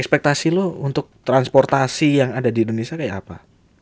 ekspektasi lo untuk transportasi yang ada di indonesia kayak apa